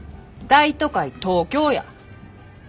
大都会東京や！